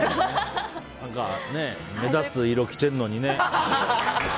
目立つ色、着てるのにね。